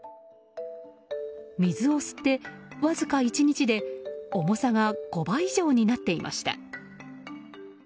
水を吸って、わずか１日で重さが５倍以上になっていました。